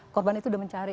korban itu udah mencari